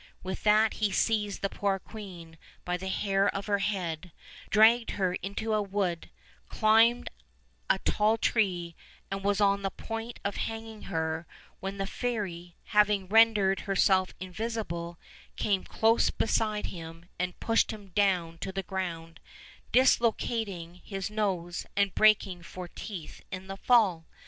With that he seized the poor queen by the hair of her head, dragged her into a wood, climbed a tall tree, and was on the point of hanging her, when the fairy, having rendered herself invisible, came close beside him, and pushed him down to the ground, dislocating his nose, and breaking four teeth in the fall.